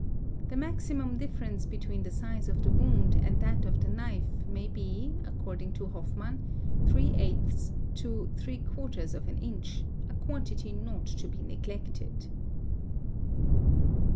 he maximum difference between the size of the wound and that of the knife may be according to Hofmann —# to # inch, a quantity not to be neglected.